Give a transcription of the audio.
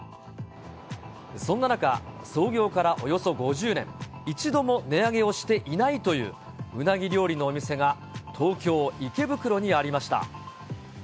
そんな中、創業からおよそ５０年、一度も値上げをしていないという、うなぎ料理のお店が、東京・池袋にありました。